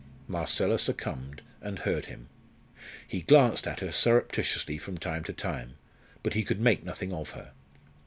Marcella succumbed, and heard him. He glanced at her surreptitiously from time to time, but he could make nothing of her.